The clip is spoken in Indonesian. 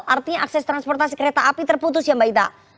artinya akses transportasi kereta api terputus ya mbak ita